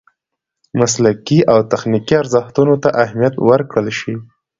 مسلکي او تخنیکي ارزښتونو ته اهمیت ورکړل شي.